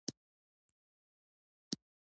په پاکه لمن کې دې د ډېران خځلې مه غورځوه.